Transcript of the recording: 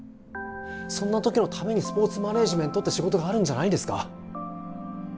そんな時のためにスポーツマネージメントって仕事があるんじゃないんですか？